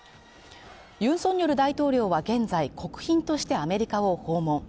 ユン・ソンニョル大統領は現在国賓としてアメリカを訪問。